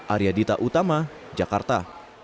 arya dita utama jakarta